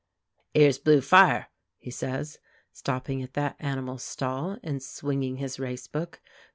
"'Ere's Blue Fire," he says, stopping at that animal's stall, and swinging his race book.